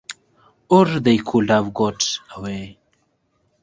Or they could have got away.